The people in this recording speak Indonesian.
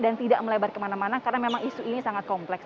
dan tidak melebar kemana mana karena memang isu ini sangat kompleks